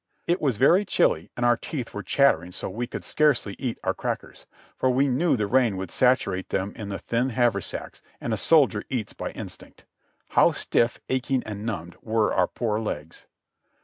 It was very chilly and our teeth were chattering so we could scarcely eat our crackers, for we knew the rain would saturate them in the thin haversacks, and a soldier eats by instinct. How stifif, aching and numbed were our poor legs.